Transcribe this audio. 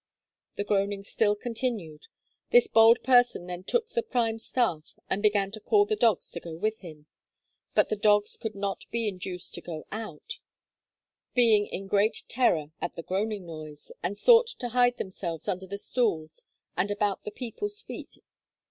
The groaning still continued. This bold person then 'took the prime staff, and began to call the dogs to go with him;' but the dogs could not be induced to go out, being in great terror at the groaning noise, and sought to hide themselves under the stools, and about the people's feet.